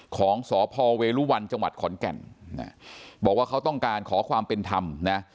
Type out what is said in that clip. ของสพเวรุวันจังหวัดขอนแก่นบอกว่าเขาต้องการขอความเป็นธรรมนะ